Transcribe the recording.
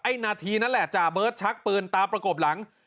นาทีนั่นแหละจ่าเบิร์ตชักปืนตามประกบหลัง